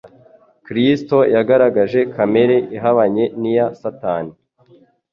Kristo yagaragaje kamere ihabanye n'iya Satani.